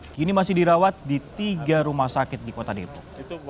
kini masih dirawat di tiga rumah sakit di kota depok